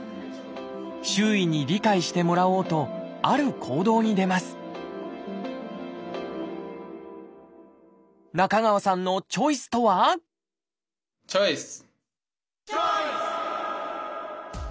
周囲に理解してもらおうとある行動に出ます中川さんのチョイスとはチョイス！